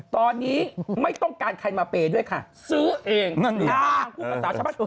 ตอนนี้ไม่ต้องการใครมาเปย์ด้วยค่ะซื้อเองนางพูดต่างใช่ไหม